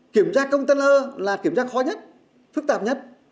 kiểm tra container là kiểm tra khó nhất phức tạp nhất